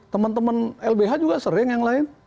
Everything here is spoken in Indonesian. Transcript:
teman teman lbh juga sering yang lain